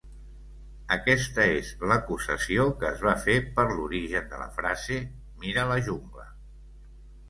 Aquesta és l'acusació que es va fer per l'origen de la frase "Mira la jungla!".